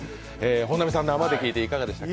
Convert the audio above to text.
本並さん、生で聴いていかがでした？